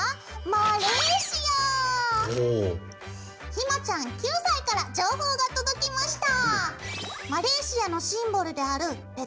ひまちゃん９歳から情報が届きました！